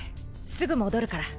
すぐ戻るから。